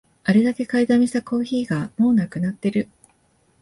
あれだけ買いだめしたコーヒーがもうなくなってる